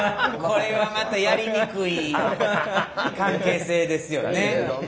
これはまたやりにくい関係性ですよね。